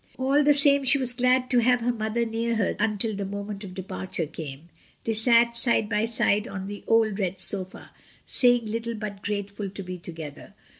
All the same she was glad to have her mother near her until the moment of departure came. They sat side by side on the old red sofa, saying little, but grateful to be together.